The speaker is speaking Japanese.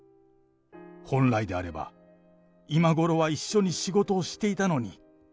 本来であれば、今ごろは一緒に仕事をしていたのに。